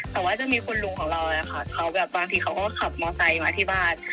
แต่ว่าจะมีคุณลุงของเรานะคะเขาแบบบางทีเขาก็ขับมอไซค์มาที่บ้าน